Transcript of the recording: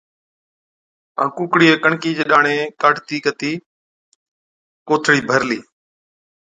ائُون ڪُوڪڙِيئَي ڪڻڪِي چي ڏاڻي ڪاڍتِي ڪتِي ڪوٿڙِي ڀرلِي۔